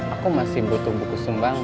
aku masih butuh buku sumbang